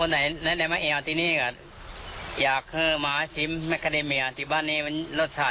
นี่แหละมันมีรสตาดมันมันมันมันมันมร้าลื่นประแยก